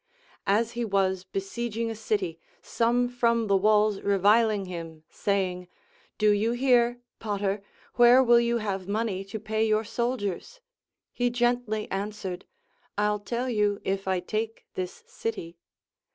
As he was besieg ing a city, some from the Λvalls reviling him, saying, Do you hear, potter, Avhere will you have money to pay your soldiers] — he gently answered, I'll tell you, if I take this city.